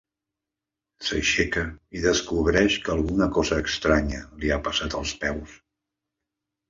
S'aixeca i descobreix que alguna cosa estranya li ha passat als peus.